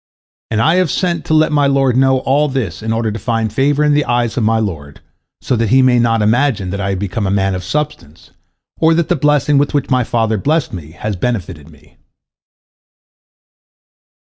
And I have sent to let my lord know all this in order to find favor in the eyes of my lord, so that he may not imagine that I have become a man of substance, or that the blessing with which my father blessed me has benefited me."